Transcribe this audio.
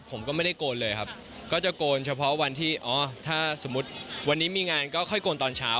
ผมก็ไม่ได้โกนเลยครับก็จะโกนเฉพาะวันที่อ๋อถ้าสมมุติวันนี้มีงานก็ค่อยโกนตอนเช้า